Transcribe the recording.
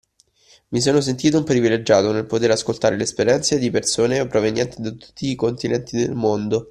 Mi sono sentito un privilegiato nel poter ascoltare le esperienze di persone provenienti da tutti i continenti del Mondo